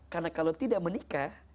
karena kalau tidak menikah